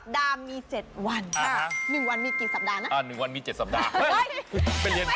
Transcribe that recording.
วันจันทร์วันดำคารวันพฤษภาษณ์